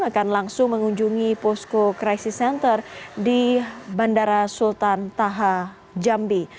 akan langsung mengunjungi posko crisis center di bandara sultan taha jambi